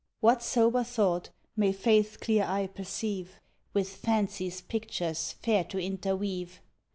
What sober thought may Faith's clear eye perceive With Fancy's pictures fair to interweave?